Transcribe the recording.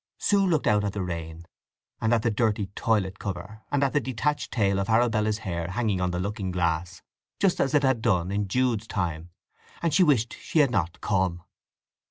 Sue looked out at the rain, and at the dirty toilet cover, and at the detached tail of Arabella's hair hanging on the looking glass, just as it had done in Jude's time; and wished she had not come.